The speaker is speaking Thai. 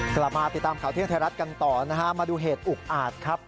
กลับมาติดตามข่าวเที่ยงไทยรัฐกันต่อนะฮะมาดูเหตุอุกอาจครับ